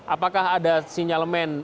apakah ada sinyalmen